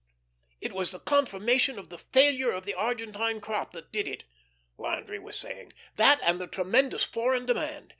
"It was the confirmation of the failure of the Argentine crop that did it," Landry was saying; "that and the tremendous foreign demand.